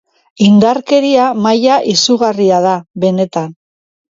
Indarkeria maila izugarria da, benetan.